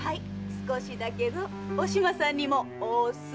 少しだけどお島さんにもおすそわけ。